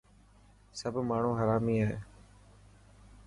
سب ماڻهو هرامي هي.